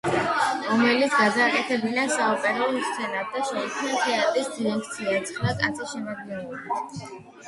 ომელიც გადააკეთებინა საოპერო სცენად და შეიქმნა თეატრის დირექცია ცხრა კაცის შემადგენლობით